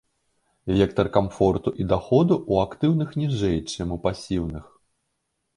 Вектар камфорту і даходу ў актыўных ніжэй, чым у пасіўных.